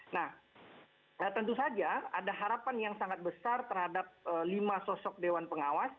nah tentu saja ada harapan yang sangat besar terhadap lima sosok dewan pengawas